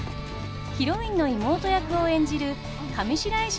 ヒロインの妹役を演じる上白石